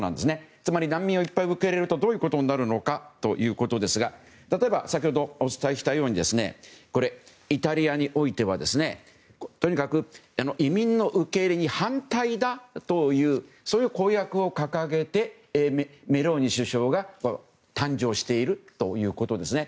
つまり、難民をいっぱい受け入れるとどうなるのかということですが例えば先ほどお伝えしたようにイタリアにおいてはとにかく、移民の受け入れに反対だという公約を掲げてメローニ首相が誕生しているということです。